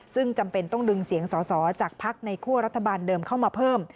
ซึ่งจำเป็นต้องดึงเสียงสอสอจากพักในคั่วรัฐบาลเดิมเข้ามาเพิ่ม